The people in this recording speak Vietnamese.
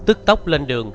tức tốc lên đường